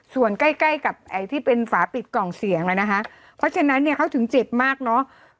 ส่วนใกล้ใกล้กับไอ้ที่เป็นฝาปิดกล่องเสียงแล้วนะคะเพราะฉะนั้นเนี่ยเขาถึงเจ็บมากเนอะ